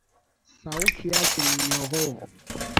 Sauti yake ni nyororo